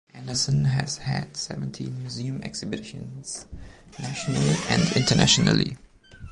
Anderson has had seventeen museum exhibitions national and internationally.